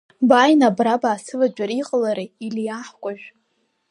Бааины абра баасыватәар иҟалари Ели аҳкәажә?